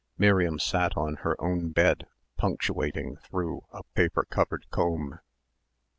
Miriam sat on her own bed punctuating through a paper covered comb....